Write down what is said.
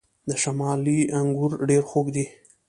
د شمالی انګور ډیر خوږ دي.